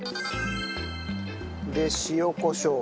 で塩コショウ。